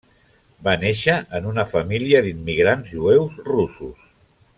Va nàixer en una família d'immigrants jueus russos.